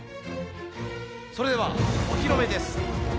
それではお披露目です。